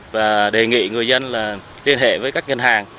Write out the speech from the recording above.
và đề nghị người dân là liên hệ với các ngân hàng